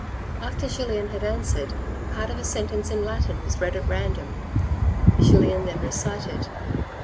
After Julien had answered, part of a sentence in Latin was read at random. Julien then recited.